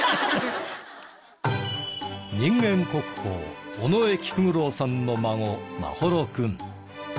人間国宝尾上菊五郎さんの孫眞秀君。